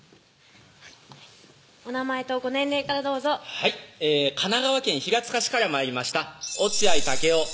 お名前とご年齢からどうぞはい神奈川県平塚市から参りました落合健夫